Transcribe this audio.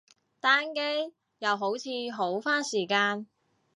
單機，又好似好花時間